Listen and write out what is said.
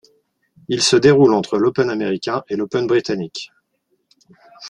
Il se déroule entre l'Open américain et l'Open britannique.